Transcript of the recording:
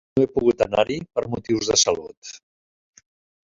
No he pogut anar-hi per motius de salut.